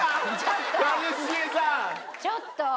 ちょっと。